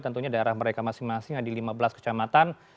tentunya daerah mereka masing masing ada lima belas kecamatan